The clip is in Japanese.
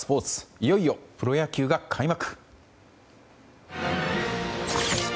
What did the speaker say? いよいよプロ野球が開幕。